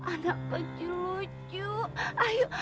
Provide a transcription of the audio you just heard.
anak kecil lucu